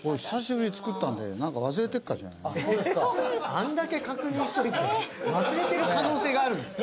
あんだけ確認しといて忘れてる可能性があるんですか？